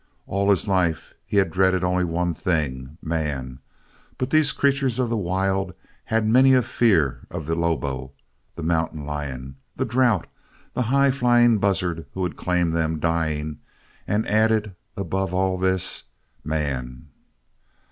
All his life he had dreaded only one thing man; but these creatures of the wild had many a fear of the lobo, the mountain lion, the drought, the high flying buzzard who would claim them, dying, and added above all this, man.